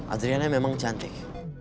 adriana memang cantik